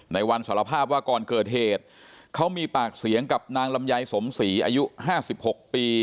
ในวันสารภาพว่าก่อนเกิดเหตุเขามีปากเสียงกับนางลำไยสมศรีอายุ๕๖ปี